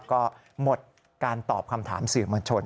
ก็หมดการตอบคำถามสื่อมวลชน